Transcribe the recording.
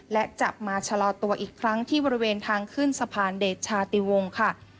และจับมาชะลอตัวอีกครั้งที่บริเวณทางขึ้นสะพานเดชาติวงค่ะ